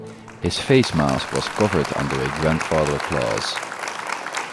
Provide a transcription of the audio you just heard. His face mask was covered under a grandfather clause.